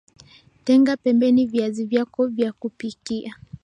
tenga pembeni viazi vyako vya kupika